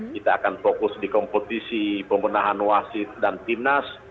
kita akan fokus di kompetisi pembenahan wasit dan timnas